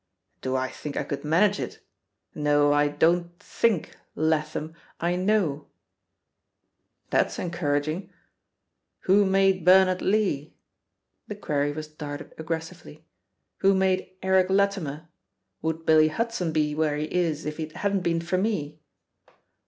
"Do I think I could manage it? No, I don't * think,' Latham — I knowl" "That's encouraging," "Who made Bernard Leigh?" The query was darted aggressively. "Who made Eric Lati mer? Would Billy Hudson be where he is if it hadn't been for me